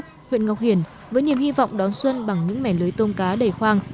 tại cốc huyện ngọc hiển với niềm hy vọng đón xuân bằng những mẻ lưới tôm cá đầy khoang